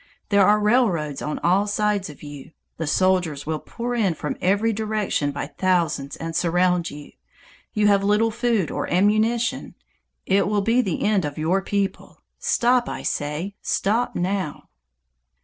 There are railroads on all sides of you. The soldiers will pour in from every direction by thousands and surround you. You have little food or ammunition. It will be the end of your people. Stop, I say, stop now!"